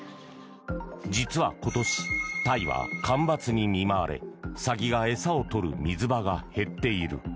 実は今年タイは干ばつに見舞われサギが餌を取る水場が減っている。